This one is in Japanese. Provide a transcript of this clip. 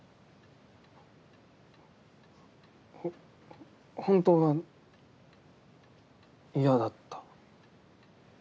ほ本当は嫌だった。